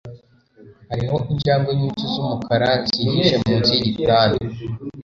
Hariho injangwe nyinshi zumukara zihishe munsi yigitanda